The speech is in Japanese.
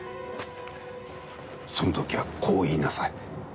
その時はこう言いなさい。